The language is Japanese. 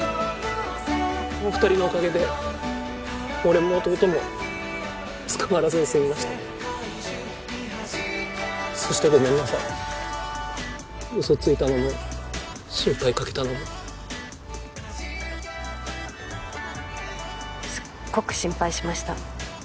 お二人のおかげで俺も弟も捕まらずに済みましたそしてごめんなさい嘘ついたのも心配かけたのもすっごく心配しました